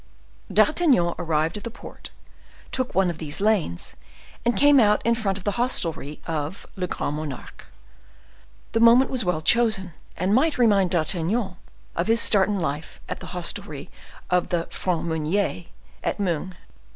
D'Artagnan, arrived at the port, took one of these lanes, and came out in front of the hostelry of "Le Grand Monarque." The moment was well chosen and might remind D'Artagnan of his start in life at the hostelry of the "Franc Meunier" at Meung.